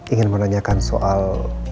ingin menanyakan soal